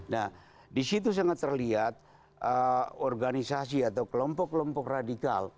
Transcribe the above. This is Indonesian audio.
nah disitu sangat terlihat organisasi atau kelompok kelompok radikal